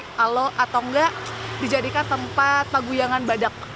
kalau atau enggak dijadikan tempat paguyangan badak